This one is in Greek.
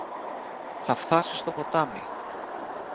Θα φθάσει στο ποτάμι.